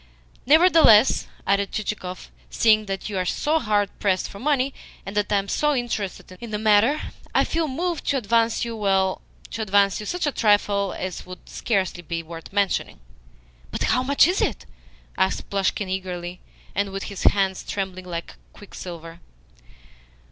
"Nevertheless," added Chichikov, "seeing that you are so hard pressed for money, and that I am so interested in the matter, I feel moved to advance you well, to advance you such a trifle as would scarcely be worth mentioning." "But how much is it?" asked Plushkin eagerly, and with his hands trembling like quicksilver.